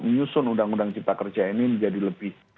menyusun undang undang cipta kerja ini menjadi lebih